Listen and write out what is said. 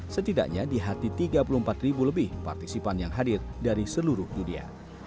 setidaknya di hati tiga puluh empat ribu lebih partisipan yang hadir dari seluruh dunia